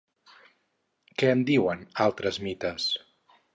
Què en diuen altres mites?